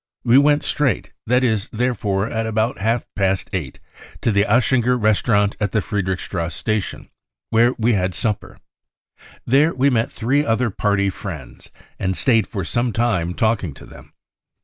We went straight, that is, therefore, at about half past eight, to the Aschinger Restaurant at the Friedrichs trasse Station, where we had supper. There we met three other Party friends, and stayed for some time talking to them.